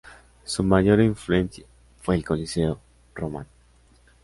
Su mayor influencia fue el Coliseo Romano.